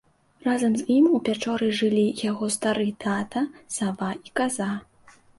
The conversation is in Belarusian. Разам з ім у пячоры жылі яго стары тата, сава і каза.